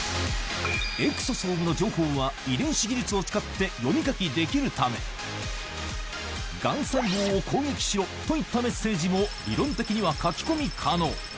エクソソームの情報は遺伝子技術を使って読み書きできるため、がん細胞を攻撃しろといったメッセージも、理論的には書き込み可能。